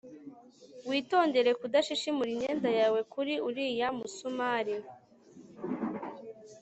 Witondere kudashishimura imyenda yawe kuri uriya musumari